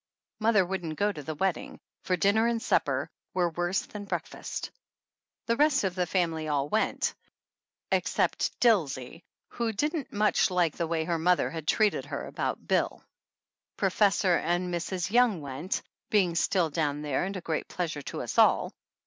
Mother wouldn't go to the wedding, for din ner and supper were worse than breakfast. The rest of the family all went except Dilsey, who didn't much like the way her mother had treated her about Bill. Professor and Mrs. Young went, being still down there and a great pleasure to us all.